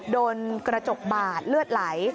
โดนกระจกบาดเลือดไหล